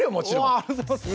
ありがとうございます！